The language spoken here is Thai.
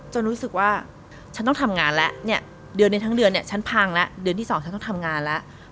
รู้สึกว่าฉันต้องทำงานแล้วเนี่ยเดือนหนึ่งทั้งเดือนเนี่ยฉันพังแล้วเดือนที่๒ฉันต้องทำงานแล้ว